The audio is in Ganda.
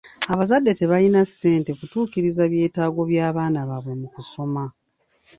Abazadde tebalina ssente kutuukiriza ebyetaago by'abaana baabwe mu kusoma.